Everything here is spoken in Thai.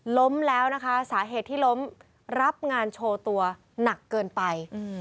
ล้มแล้วนะคะสาเหตุที่ล้มรับงานโชว์ตัวหนักเกินไป